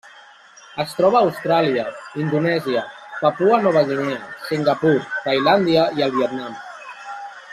Es troba a Austràlia, Indonèsia, Papua Nova Guinea, Singapur, Tailàndia i el Vietnam.